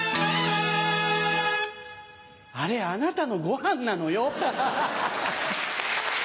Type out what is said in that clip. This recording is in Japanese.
あれあなたのごはんなのよ。